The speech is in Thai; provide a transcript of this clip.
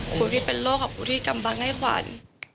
ครูที่เป็นโรคของผู้ที่กำบังให้ขวัญ